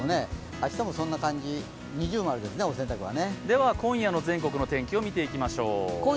明日もそんな感じ、◎ですね、お洗濯は。